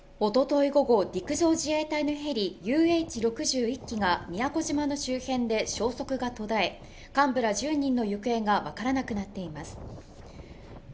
一昨日午後陸上自衛隊のヘリＵＨ６０、１機が宮古島の周辺で消息が途絶え、幹部ら１０人の行方がわからなくなっています。